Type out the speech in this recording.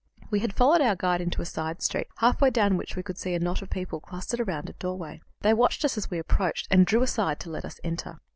We had followed our guide into a side street, halfway down which we could see a knot of people clustered round a doorway. They watched us as we approached, and drew aside to let us enter.